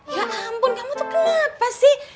ya ampun kamu tuh kenapa sih